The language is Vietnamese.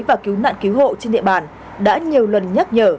và cứu nạn cứu hộ trên địa bàn đã nhiều lần nhắc nhở